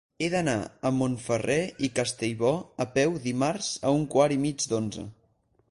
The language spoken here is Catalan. He d'anar a Montferrer i Castellbò a peu dimarts a un quart i mig d'onze.